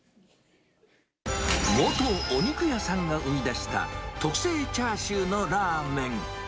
元お肉屋さんが生み出した特製チャーシューのラーメン。